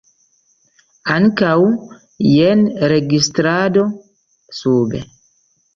Ankaŭ jen registrado sube.